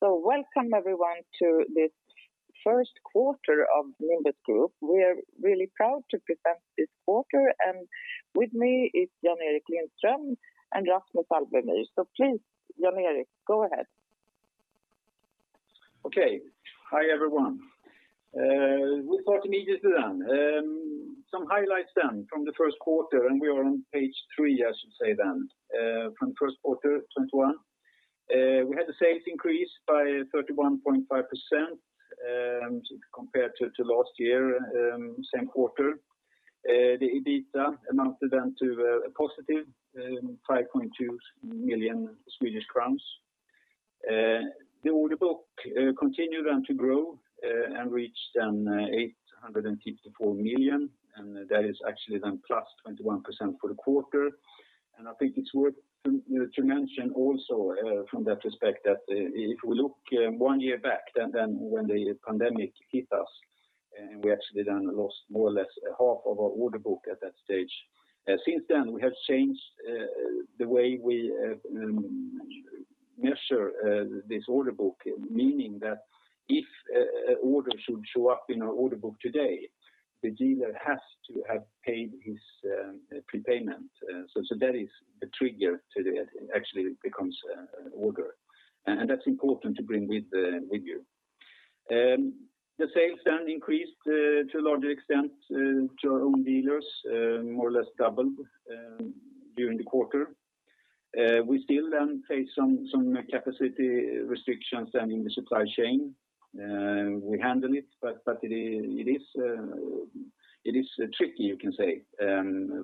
Welcome everyone to this first quarter of Nimbus Group. We are really proud to present this quarter, and with me is Jan-Erik Lindström and Rasmus Alvemyr. Please, Jan-Erik, go ahead. Okay. Hi, everyone. We start immediately. Some highlights from the first quarter. We are on page three, I should say, from the first quarter 2021. We had a sales increase by 31.5% compared to last year, same quarter. The EBITDA amounted to a positive 5.2 million Swedish crowns. The order book continued to grow and reached 854 million. That is actually plus 21% for the quarter. I think it's worth to mention also from that respect that if we look one year back, when the pandemic hit us, we actually lost more or less half of our order book at that stage. Since then, we have changed the way we measure this order book, meaning that if orders should show up in our order book today, the dealer has to have paid his prepayment. That is the trigger till it actually becomes an order, and that's important to bring with you. The sales increased to a larger extent to our own dealers, more or less doubled during the quarter. We still face some capacity restrictions in the supply chain. We handle it, but it is tricky, you can say,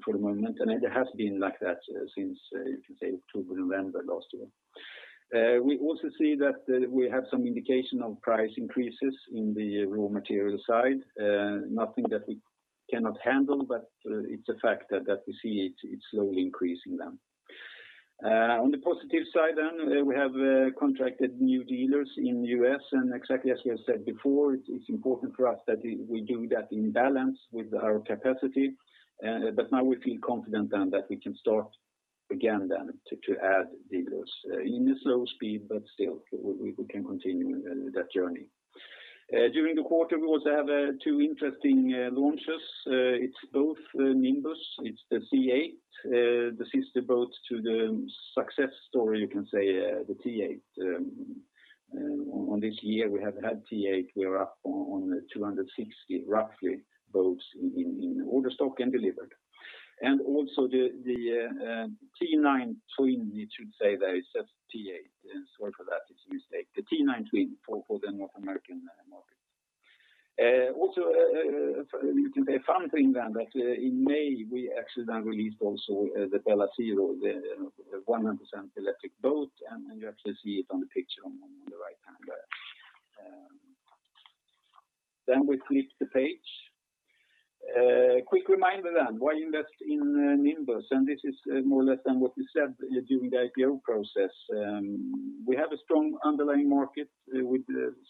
for the moment, and it has been like that since, you can say, October, November last year. We also see that we have some indication of price increases in the raw material side. Nothing that we cannot handle, but it's a fact that we see it slowly increasing. On the positive side, we have contracted new dealers in the U.S., and exactly as we have said before, it's important for us that we do that in balance with our capacity. Now we feel confident that we can start again to add dealers in a slow speed, but still, we can continue that journey. During the quarter, we also have two interesting launches. It's both Nimbus. It's the C8, the sister boat to the success story, you can say, the T8. On this year, we have had T8. We are up on 260, roughly, boats in order stock and delivered. Also the T9 Twin, it should say there, it says T8. Sorry for that, it's a mistake. The T9 Twin for the North American market. Also, you can say a fun thing, that in May, we actually released also the Bella ZERO, the 100% electric boat, and you actually see it on the picture on the right-hand there. We flip the page. Quick reminder, why invest in Nimbus? This is more or less than what we said during the IPO process. We have a strong underlying market with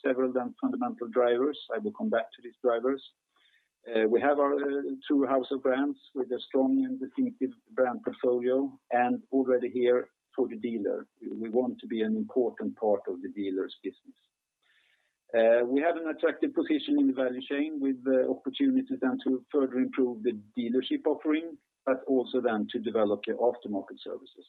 several fundamental drivers. I will come back to these drivers. We have our true House of Brands with a strong and distinctive brand portfolio and already here for the dealer. We want to be an important part of the dealer's business. We have an attractive position in the value chain with the opportunity to further improve the dealership offering, but also to develop aftermarket services.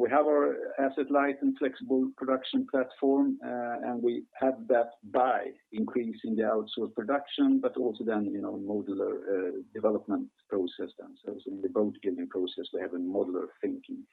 We have our asset-light and flexible production platform, and we have that by increasing the outsourced production, but also modular development process. In the boat building process, we have a modular thinking.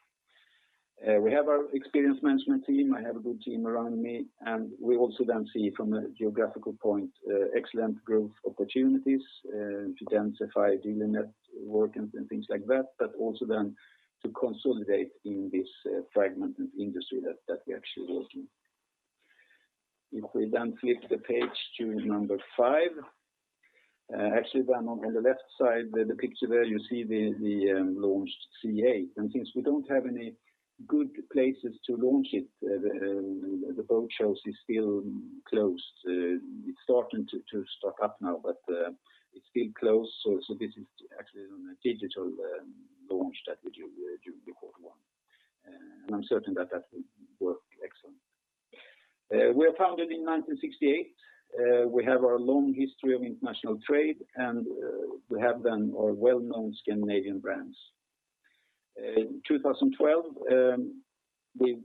We have our experienced management team. I have a good team around me, and we also then see from a geographical point, excellent growth opportunities to densify dealer network and things like that, but also to consolidate in this fragmented industry that we actually work in. If we then flip the page to five. Actually, on the left side, the picture there, you see the launched C8. Since we don't have any good places to launch it, the boat shows is still closed. It's starting to stock up now, but it's still closed, so this is actually on a digital launch that we do the Q1. I'm certain that that will work excellent. We are founded in 1968. We have our long history of international trade, and we have our well-known Scandinavian brands. 2012, we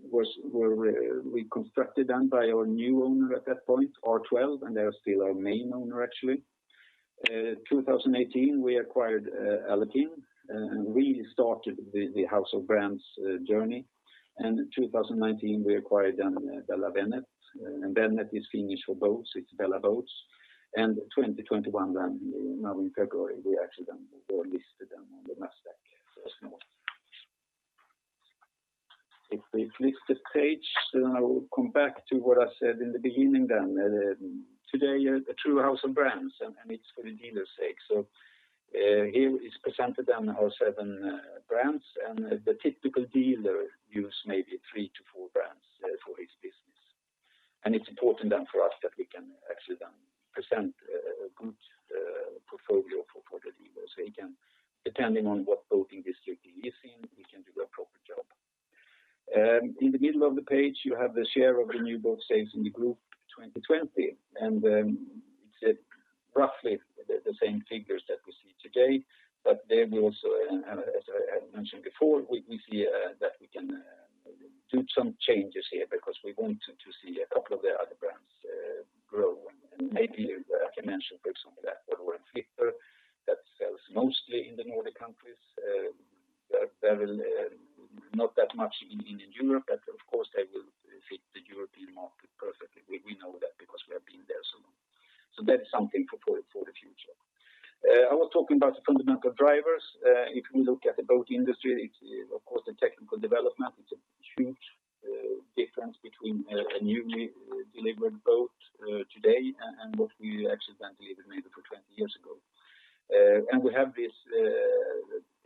reconstructed by our new owner at that point, R12, and they are still our main owner actually. 2018, we acquired Alukin, and really started the House of Brands journey. 2019, we acquired Bella-Veneet. Veneet is Finnish for boats, it's Bella Boats. 2021, now in February, we actually got listed on the Nasdaq First North. If we flip the page, then I will come back to what I said in the beginning. Today, a true House of Brands, and it's for the dealer's sake. Here is presented our seven brands, and the typical dealer use maybe three to four brands for his business. It's important for us that we can actually present a group. Depending on what boating district he is in, we can do a proper job. In the middle of the page, you have the share of the new boat sales in the group 2020, and it's roughly the same figures that we see today. There we also, as I had mentioned before, we see that we can do some changes here because we want to see a couple of the other brands grow. Maybe I can mention, for example, that for Flipper, that sells mostly in the Nordic countries. Not that much in Europe, of course, they will fit the European market perfectly. We know that because we have been there so long. That is something for the future. I was talking about the fundamental drivers. If we look at the boat industry, of course, the technical development, it's a huge difference between a newly delivered boat today and what we actually then delivered maybe 20 years ago. We have this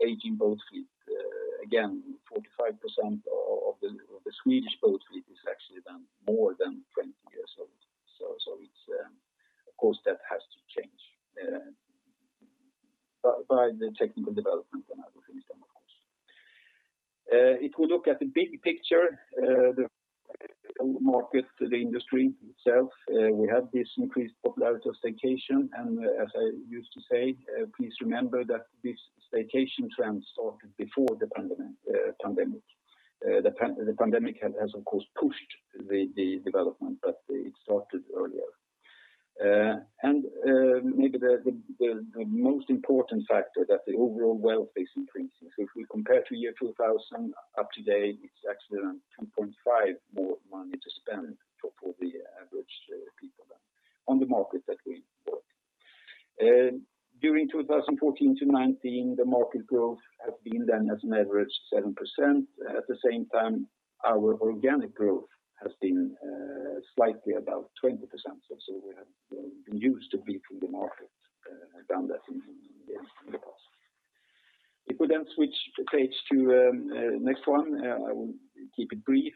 aging boat fleet. Again, 45% of the Swedish boat fleet is actually more than 20 years old. Of course, that has to change by the technical development and other things, of course. If we look at the big picture, the market, the industry itself, we have this increased popularity of staycation. As I used to say, please remember that this staycation trend started before the pandemic. The pandemic has, of course, pushed the development, but it started earlier. Maybe the most important factor, that the overall wealth is increasing. If we compare to year 2000 up to date, it's actually around 2.5 more money to spend for the average people on the market that we work. During 2014-2019, the market growth has been, as an average, 7%. At the same time, our organic growth has been slightly above 20%. We have been used to beating the market down there in the past. If we switch the page to the next one, I will keep it brief.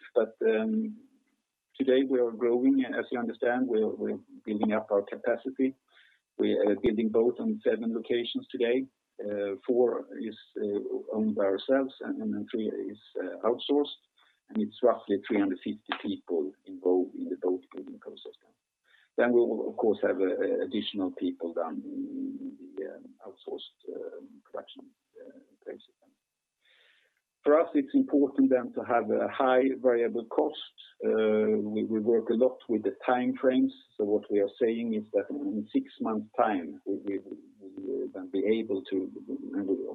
Today we are growing. As you understand, we are building up our capacity. We are building boats on seven locations today. Four is owned by ourselves and three is outsourced, and it's roughly 350 people involved in the boat building process. We will, of course, have additional people down in the outsourced production places. For us, it's important to have a high variable cost. We work a lot with the time frames. What we are saying is that in six months time. Of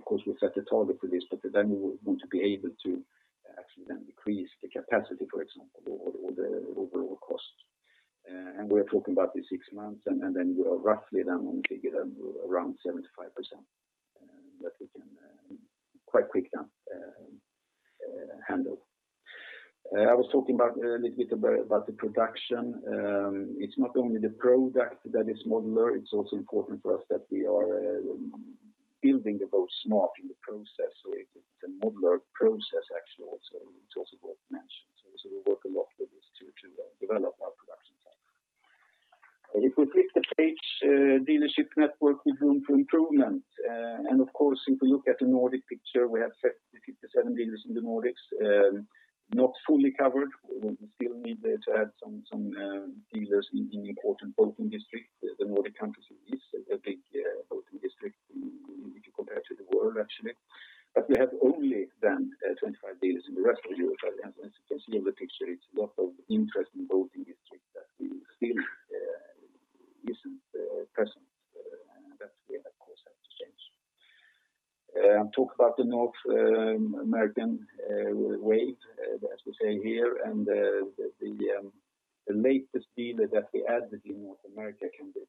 course, we set a target for this. We want to be able to actually decrease the capacity, for example, or the overall costs. We're talking about the six months, we are roughly down on around 75% that we can quite quick then handle. I was talking a little bit about the production. It's not only the product that is modular, it's also important for us that we are building the boat smart in the process. It's a modular process, actually, also. It's also worth mentioning. We work a lot with this to develop our production time. If we flip the page, dealership network with room for improvement. Of course, if you look at the Nordic picture, we have 57 dealers in the Nordics. Not fully covered. We still need to add some dealers in important boating districts. The Nordic countries is a big boating district if you compare to the world, actually. We have only then 25 dealers in the rest of Europe. As you can see on the picture, it's a lot of interesting boating districts that we still isn't present. That we, of course, have to change. Talk about the North American wave, as we say here, and the latest dealer that we added in North America can be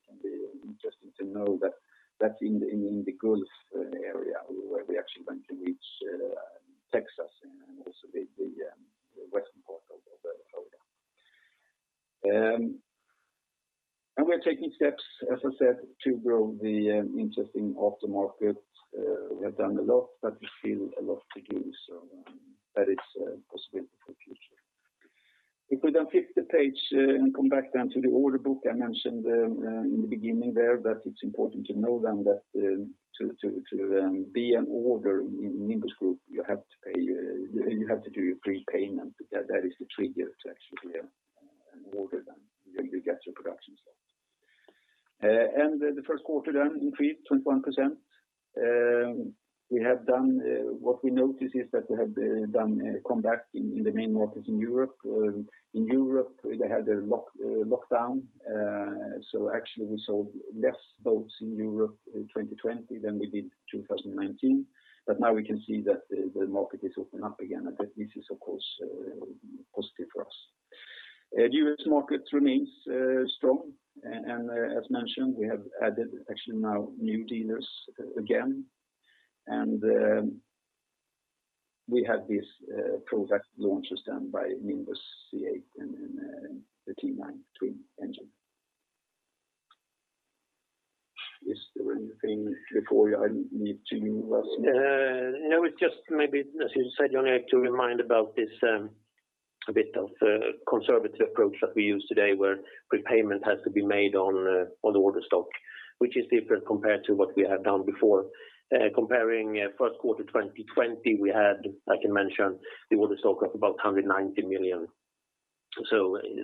interesting to know that that's in the Gulf area, where we actually going to reach Texas and also the western part of Florida. We are taking steps, as I said, to grow the interesting aftermarket. We have done a lot, but we still a lot to do. That is a possibility for the future. If we flip the page and come back then to the order book. I mentioned in the beginning there that it's important to know then that to be an order in Nimbus Group, you have to do a prepayment. That is the trigger to actually an order then. You get your production slot. The first quarter then increased 21%. What we noticed is that we have come back in the main markets in Europe. In Europe, they had a lockdown. Actually, we sold less boats in Europe in 2020 than we did 2019. Now we can see that the market is open up again. This is, of course, positive for us. U.S. market remains strong. As mentioned, we have added actually now new dealers again. We have these product launches done by Nimbus C8 and the T9 Twin. Is there anything before I need to, Ras? It's just maybe, as you said, Jan, to remind about this a bit of a conservative approach that we use today where prepayment has to be made on the order stock, which is different compared to what we have done before. Comparing first quarter 2020, we had, I can mention, the order stock of about 190 million.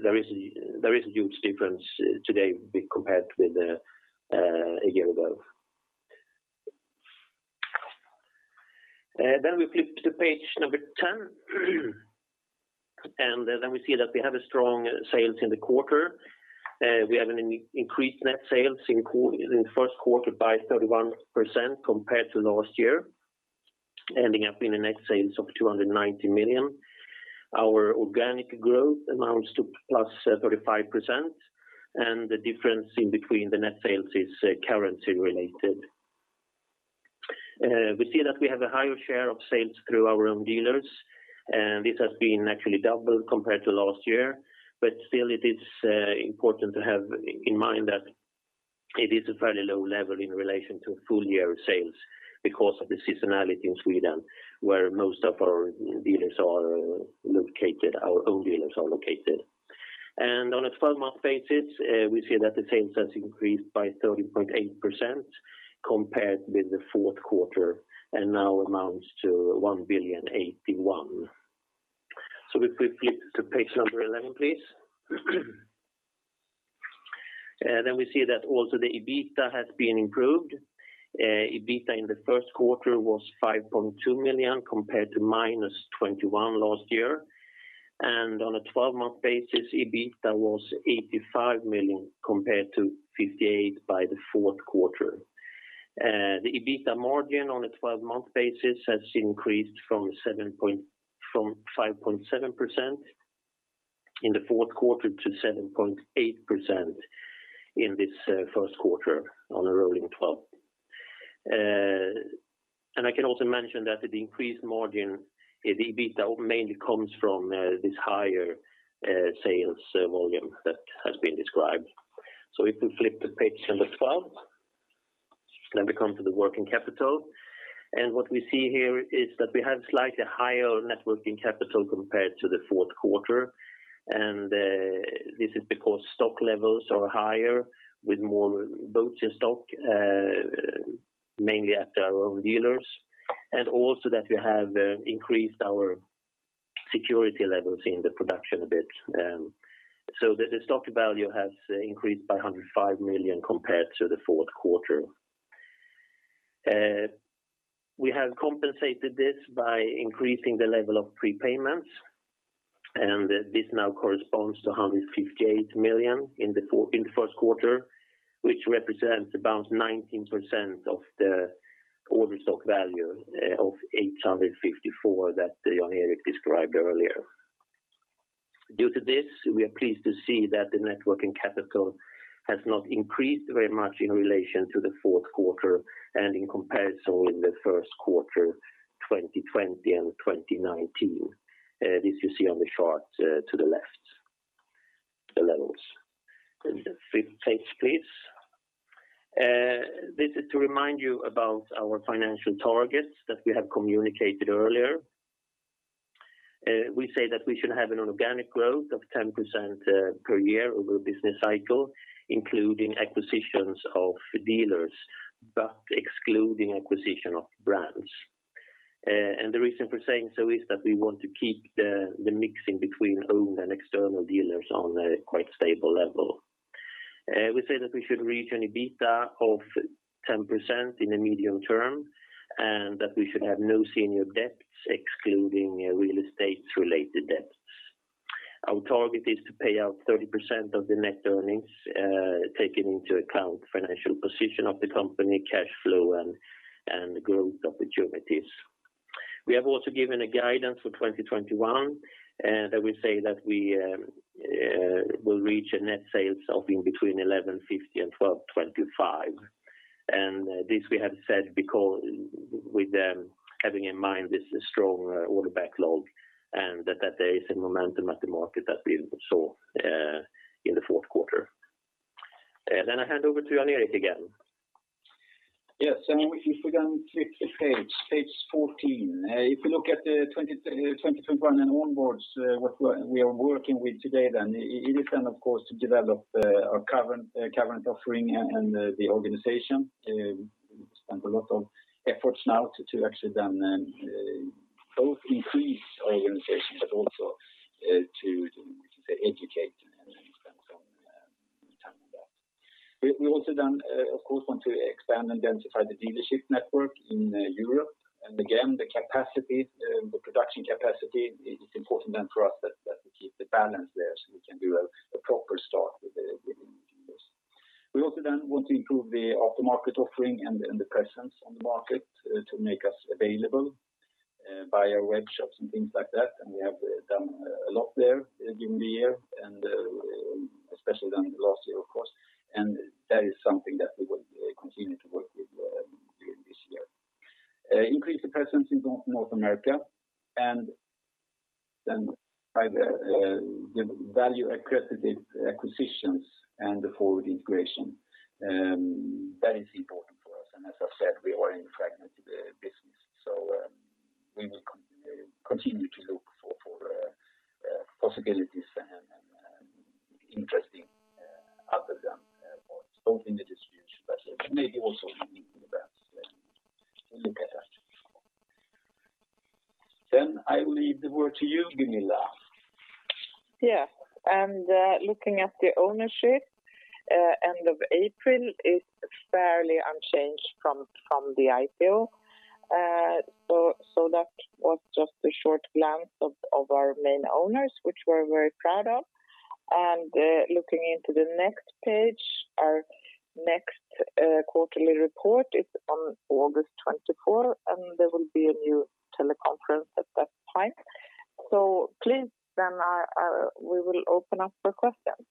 There is a huge difference today compared with a year ago. We flip to page number 10, we see that we have a strong sales in the quarter. We have an increased net sales in first quarter by 31% compared to last year, ending up in a net sales of 290 million. Our organic growth amounts to plus 35%, the difference in between the net sales is currency related. We see that we have a higher share of sales through our own dealers, this has been actually doubled compared to last year. Still it is important to have in mind that it is a fairly low level in relation to full year sales because of the seasonality in Sweden, where most of our own dealers are located. On a 12-month basis, we see that the sales has increased by 30.8% compared with the fourth quarter and now amounts to 1.081 billion. If we flip to page number 11, please. We see that also the EBITDA has been improved. EBITDA in the first quarter was 5.2 million compared to -21 million last year. On a 12-month basis, EBITDA was 85 million compared to 58 million by the fourth quarter. The EBITDA margin on a 12-month basis has increased from 5.7% in the fourth quarter to 7.8% in this first quarter on a rolling 12. I can also mention that the increased margin in the EBITDA mainly comes from this higher sales volume that has been described. If we flip to page number 12, we come to the working capital. What we see here is that we have slightly higher net working capital compared to the fourth quarter. This is because stock levels are higher with more boats in stock, mainly at our own dealers, and also that we have increased our security levels in the production a bit. The stock value has increased by 105 million compared to the fourth quarter. We have compensated this by increasing the level of prepayments, and this now corresponds to 158 million in first quarter, which represents about 19% of the order stock value of 854 that Jan-Erik described earlier. Due to this, we are pleased to see that the net working capital has not increased very much in relation to the fourth quarter and in comparison with the first quarter 2020 and 2019. This you see on the chart to the left, the levels. Flip page, please. This is to remind you about our financial targets that we have communicated earlier. We say that we should have an organic growth of 10% per year over a business cycle, including acquisitions of dealers, but excluding acquisition of brands. The reason for saying so is that we want to keep the mixing between owned and external dealers on a quite stable level. We say that we should reach an EBITDA of 10% in the medium term, and that we should have no senior debts excluding real estate related debts. Our target is to pay out 30% of the net earnings, taking into account financial position of the company, cash flow, and growth opportunities. We have also given a guidance for 2021, that we say that we will reach a net sales of in between 1,150 and 1,225. This we have said with having in mind this strong order backlog, that there is a momentum at the market that we saw in the fourth quarter. I hand over to Jan-Erik again. Yes, if we can flip the page 14. If you look at the 2021 and onwards, what we are working with today then, it is then, of course, to develop our current offering and the organization. We spend a lot of efforts now to actually then both increase our organization, but also to educate and spend some time on that. We also then, of course, want to expand and identify the dealership network in Europe. Again, the production capacity, it's important then for us that we keep the balance there so we can do a proper start with the new dealers. We also then want to improve the aftermarket offering and the presence on the market to make us available via web shops and things like that, and we have done a lot there during the year and especially then last year of course. That is something that we will continue to work with during this year. Increase the presence in North America, and then drive the value accretive acquisitions and the forward integration. That is important for us. As I said, we are in fragmented business. We will continue to look for possibilities and interesting programs, both in the distribution but maybe also in events. We look at that. I will leave the word to you, Gunilla. Yes. Looking at the ownership, end of April is fairly unchanged from the IPO. That was just a short glance of our main owners, which we're very proud of. Looking into the next page, our next quarterly report is on August 24, and there will be a new teleconference at that time. Please then, we will open up for questions.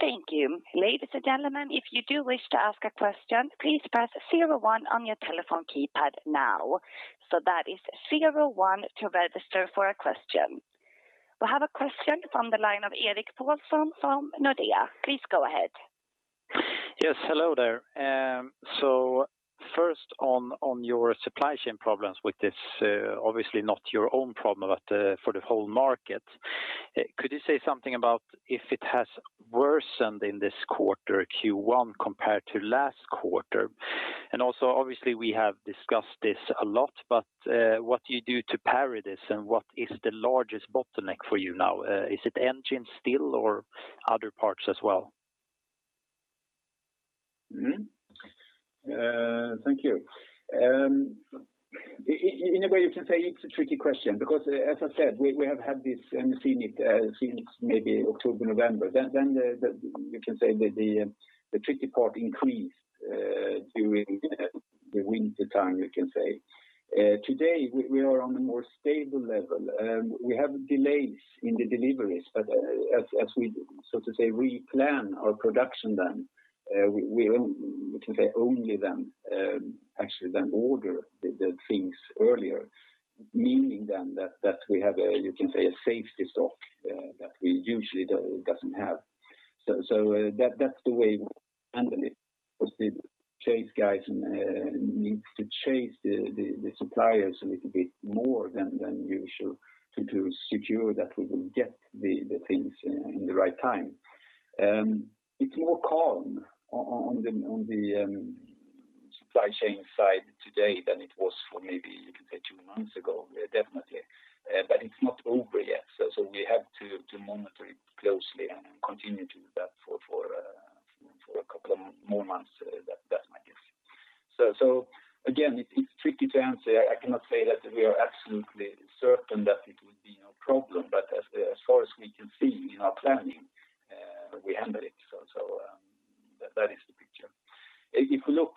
Thank you. Ladies and gentlemen, if you do wish to ask a question, please press zero one on your telephone keypad now. That is zero one to register for a question. We have a question from the line of Erik Paulsson from Nordea. Please go ahead. Yes, hello there. First on your supply chain problems with this, obviously not your own problem, but for the whole market. Could you say something about if it has worsened in this quarter, Q1, compared to last quarter? Also, obviously, we have discussed this a lot, but what do you do to parry this, and what is the largest bottleneck for you now? Is it engine still or other parts as well? Thank you. In a way, you can say it's a tricky question because, as I said, we have had this and seen it since maybe October, November. You can say that the tricky part increased during the wintertime. Today, we are on a more stable level. We have delays in the deliveries, but as we plan our production, we only then actually order the things earlier, meaning that we have a safety stock that we usually don't have. That's the way we handle it. Of course, the chase guys need to chase the suppliers a little bit more than usual to secure that we will get the things in the right time. It's more calm on the supply chain side today than it was for maybe two months ago, definitely. It's not over yet. We have to monitor it closely and continue to do that for a couple of more months. That's my guess. Again, it's tricky to answer. I cannot say that we are absolutely certain that it would be no problem, but as far as we can see in our planning,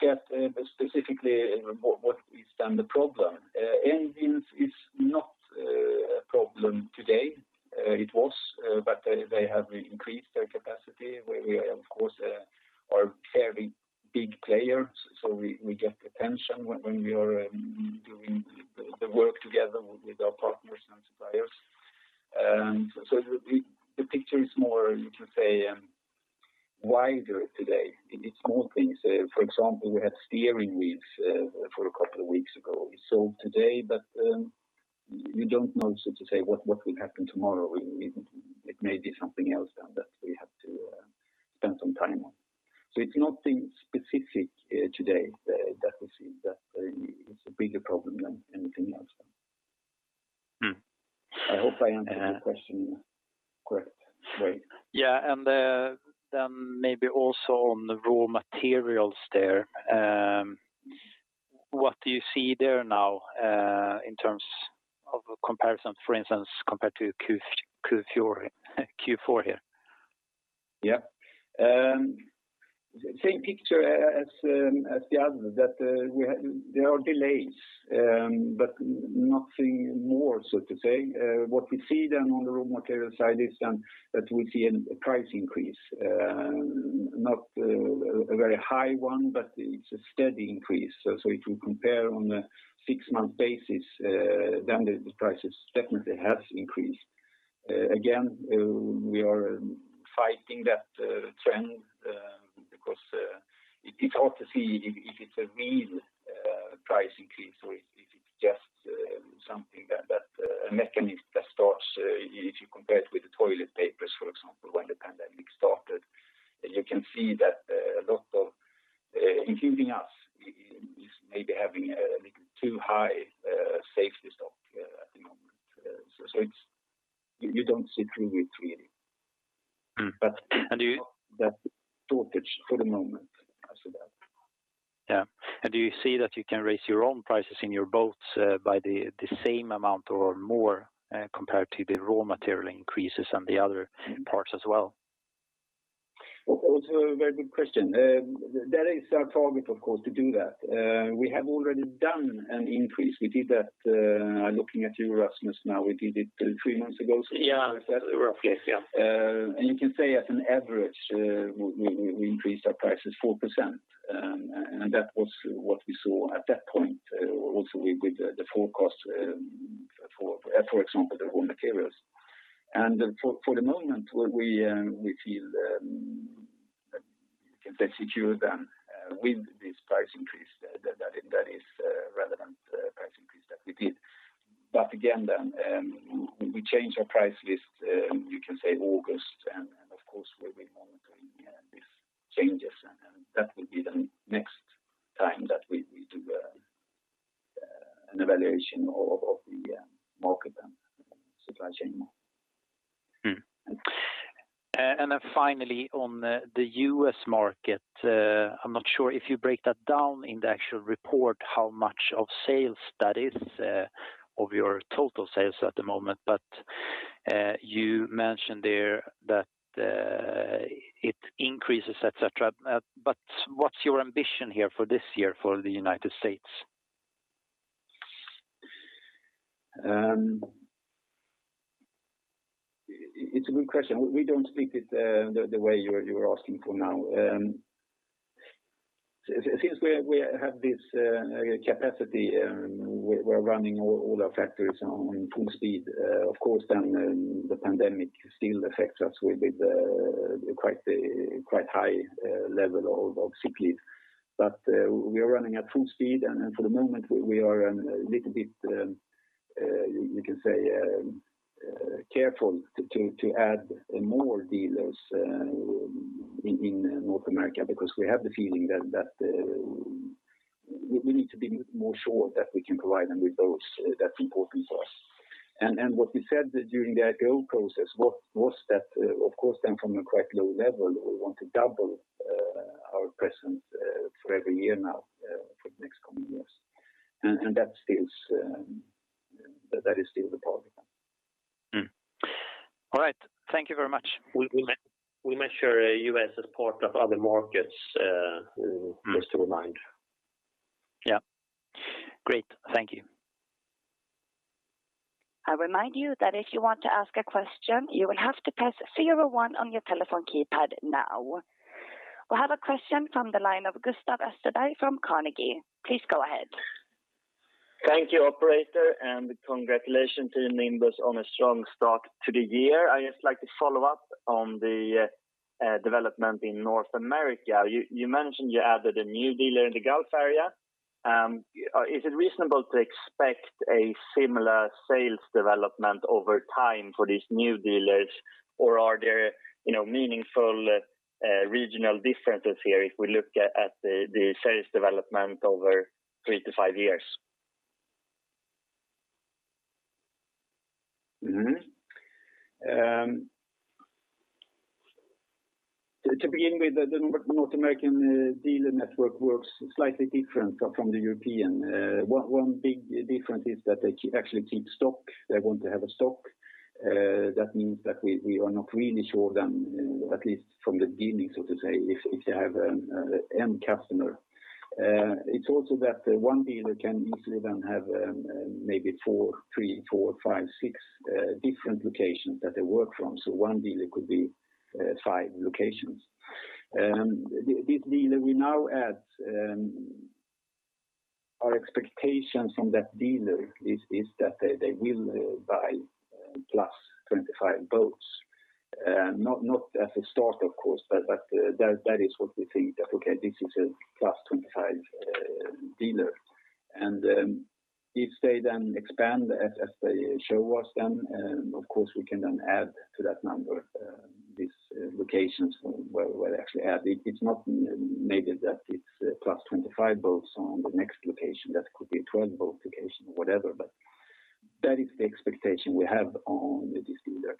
we handle it. That is the picture. If you look at specifically what is then the problem, engines is Same picture as the others, that there are delays, but nothing more. What we see then on the raw material side is that we see a price increase. Not a very high one, but it's a steady increase. If you compare on a six-month basis, then the prices definitely have increased. Again, we are fighting that trend because it's hard to see if it's a real price increase or if it's just a mechanism that starts. If you compare it with the toilet papers, for example, when the pandemic started, you can see that a lot of, including us, is maybe having a little too high safety stock at the moment. You don't see through it really. That shortage for the moment as well. Yeah. Do you see that you can raise your own prices in your boats by the same amount or more, compared to the raw material increases on the other parts as well? Also a very good question. That is our target, of course, to do that. We have already done an increase. We did that, I'm looking at you, Rasmus, now. We did it three months ago, something like that? Yeah. Roughly, yeah. You can say as an average, we increased our prices 4%. That was what we saw at that point, also with the forecast, for example, the raw materials. For the moment, we feel you can then secure them with this price increase that is relevant price increase that we did. Again, we change our price list, you can say August, and of course, we'll be monitoring these changes, and that will be the next time that we do an evaluation of the market and supply chain. Finally, on the U.S. market, I'm not sure if you break that down in the actual report, how much of sales that is of your total sales at the moment, but you mentioned there that it increases, et cetera. What's your ambition here for this year for the United States? It's a good question. We don't split it the way you're asking for now. Since we have this capacity, we're running all our factories on full speed. Of course, the pandemic still affects us with quite high level of sick leave. We are running at full speed, and for the moment, we are a little bit, you can say, careful to add more dealers in North America, because we have the feeling that we need to be more sure that we can provide them with boats. That's important for us. What we said during the IPO process was that, of course, from a quite low level, we want to double our presence for every year now for the next coming years. That is still the target. All right. Thank you very much. We measure U.S. as part of other markets, just to remind. Yeah. Great. Thank you. We have a question from the line of Gustaf Esterday from Carnegie. Please go ahead. Thank you, operator, and congratulations to Nimbus on a strong start to the year. I'd just like to follow up on the development in North America. You mentioned you added a new dealer in the Gulf area. Is it reasonable to expect a similar sales development over time for these new dealers? Or are there meaningful regional differences here if we look at the sales development over three to five years? To begin with, the North American dealer network works slightly different from the European. One big difference is that they actually keep stock. They want to have a stock. That means that we are not really sure then, at least from the beginning, so to say, if they have an end customer. It's also that one dealer can easily then have maybe three, four, five, six different locations that they work from. One dealer could be five locations. This dealer we now add, our expectation from that dealer is that they will buy plus 25 boats. Not as a start, of course, but that is what we think that, okay, this is a plus 25 dealer. If they then expand as they show us then, of course, we can then add to that number, these locations where they actually add. It's not maybe that it's plus 25 boats on the next location. That could be a 12 boat location, whatever. That is the expectation we have on this dealer.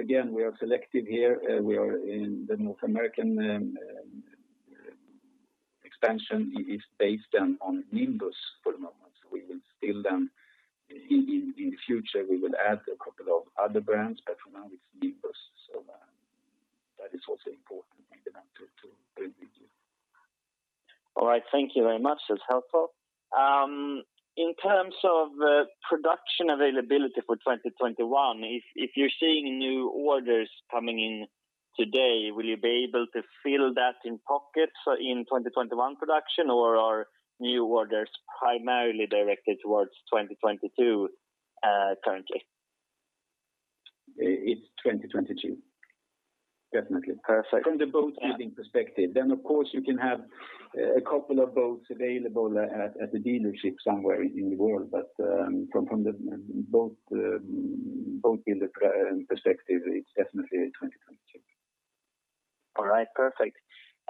Again, we are selective here. The North American expansion is based on Nimbus for the moment. In the future, we will add a couple of other brands. For now it's Nimbus. That is also important to All right. Thank you very much. That's helpful. In terms of production availability for 2021, if you're seeing new orders coming in today, will you be able to fill that in pockets in 2021 production, or are new orders primarily directed towards 2022 currently? It's 2022. Definitely. Perfect. From the boatbuilding perspective. Of course, you can have a couple of boats available at the dealership somewhere in the world, but from the boatbuilder perspective, it's definitely 2022. All right, perfect.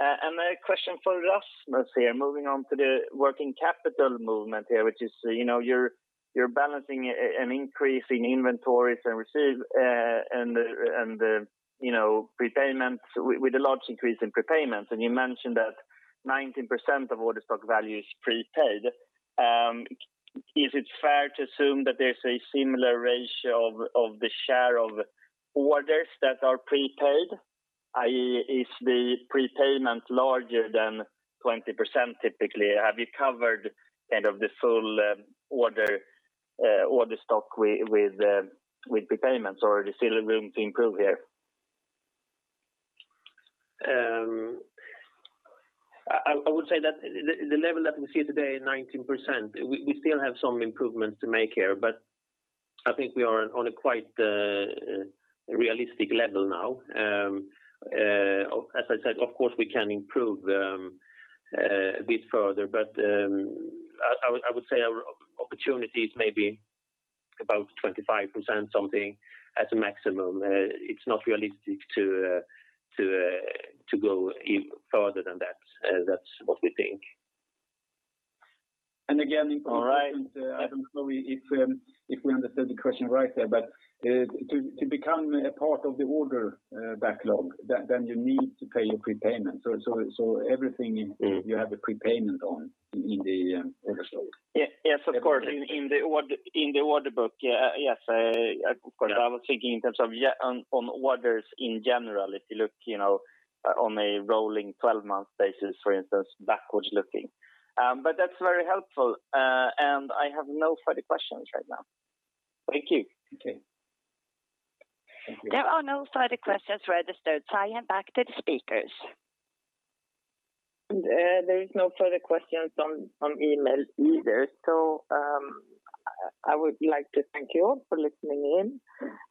A question for Rasmus here, moving on to the working capital movement here, which is you're balancing an increase in inventories and prepayments with a large increase in prepayments, and you mentioned that 19% of order stock value is prepaid. Is it fair to assume that there's a similar ratio of the share of orders that are prepaid, i.e., is the prepayment larger than 20% typically? Have you covered the full order stock with prepayments, or is there still room to improve here? I would say that the level that we see today is 19%. We still have some improvements to make here, but I think we are on a quite realistic level now. As I said, of course, we can improve a bit further, but I would say our opportunity is maybe about 25% something as a maximum. It's not realistic to go further than that. That's what we think. Again, in comparison, I don't know if we understood the question right there, but to become a part of the order backlog, then you need to pay your prepayment, everything you have a prepayment on in the order book. Yes, of course. In the order book, yes. Of course, I was thinking in terms of on orders in general, if you look on a rolling 12-month basis, for instance, backwards looking. That's very helpful. I have no further questions right now. Thank you. Okay. There are no further questions registered, so I hand back to the speakers. There is no further questions on email either. I would like to thank you all for listening in.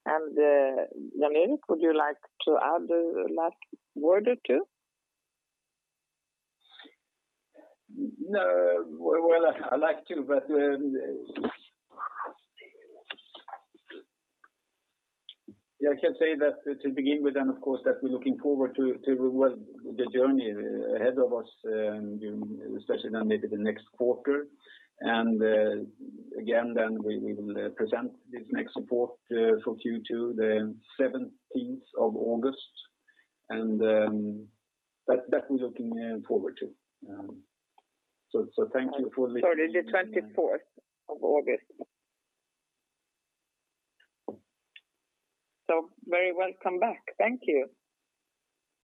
Jan-Erik, would you like to add the last word or two? No. Well, I'd like to, but I can say that to begin with, and of course, that we're looking forward to the journey ahead of us, especially then maybe the next quarter. Again, we will present this next report for Q2, the 17th of August, and that we're looking forward to. Thank you for listening. Sorry, the 24th of August. Very welcome back. Thank you.